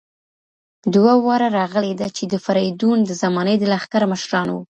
دوه واره راغلې ده، چي د فریدون د زمانې د لښکر مشران وو